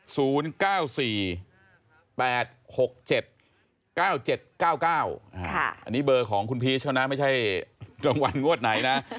อันนี้เบอร์ของคุณพีชเขานะไม่ใช่รางวัลงวดไหนนะ